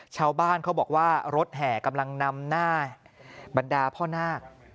ชาวบ้านเขาบอกว่ารถแห่กำลังนำหน้าบรรดาพ่อนาค